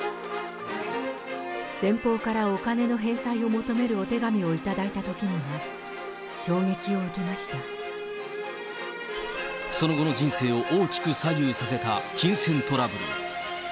先方からお金の返済を求めるお手紙を頂いたときには衝撃を受その後の人生を大きく左右させた金銭トラブル。